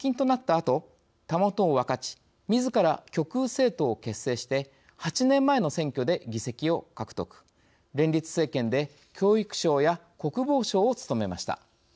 あとたもとを分かちみずから極右政党を結成して８年前の選挙で議席を獲得連立政権で教育相や国防相を務めました。